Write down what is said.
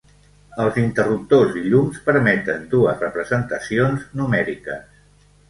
Els interruptors i llums permeten dues representacions numèriques.